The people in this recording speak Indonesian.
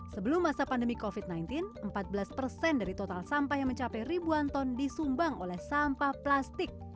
sebelum masa pandemi covid sembilan belas empat belas persen dari total sampah yang mencapai ribuan ton disumbang oleh sampah plastik